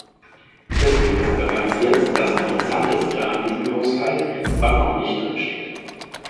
Deswegen ist bereits jetzt das Interessanteste an diesem Haushalt, was noch nicht drinsteht.